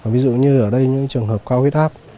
ví dụ như ở đây những trường hợp cao huyết áp